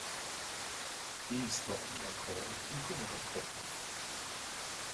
These faults are called equivalent faults.